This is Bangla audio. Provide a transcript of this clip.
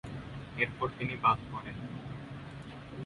এরপর তিনি বাদ পড়েন।